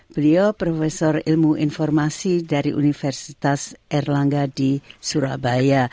beliau profesor ilmu informasi dari universitas erlangga di surabaya